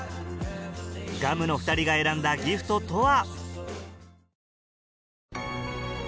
Ｇ．Ｕ．Ｍの２人が選んだギフトとは？